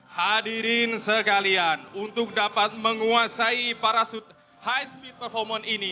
hadirin sekalian untuk dapat menguasai parasut high speed performance ini